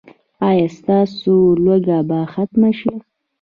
ایا ستاسو لوږه به ختمه شي؟